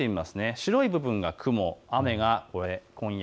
白い部分が雲、雨がこれ。